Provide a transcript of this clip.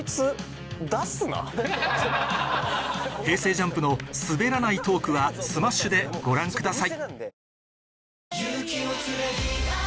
ＪＵＭＰのスベらないトークはｓｍａｓｈ．でご覧ください